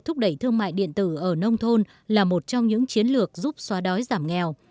thương mại điện tử ở nông thôn là một trong những chiến lược giúp xóa đói giảm nghèo